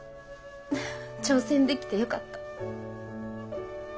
挑戦できてよかった。